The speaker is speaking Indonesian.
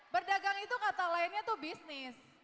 berdagang itu kata lainnya itu bisnis